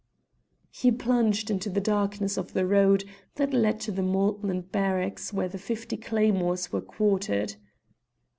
He plunged into the darkness of the road that led to the Maltland barracks where the fifty claymores were quartered.